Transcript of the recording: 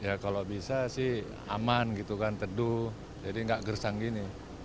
ya kalau bisa sih aman gitu kan teduh jadi nggak gersang gini